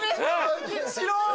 白い。